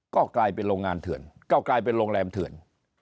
ก็กลายเป็นโรงงานเถื่อนก็กลายเป็นโรงแรมเถื่อน